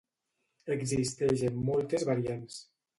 Existeix en moltes variants.